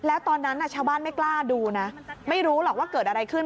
แล้วตอนนั้นชาวบ้านไม่กล้าดูนะไม่รู้หรอกว่าเกิดอะไรขึ้น